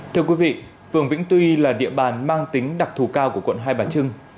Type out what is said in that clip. thưa quý vị phường vĩnh tuy là địa bàn mang tính đặc thù cao của quận hai bà trưng